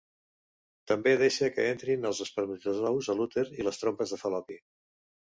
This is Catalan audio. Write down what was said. També deixa que entrin els espermatozous a l'úter i les trompes de Fal·lopi.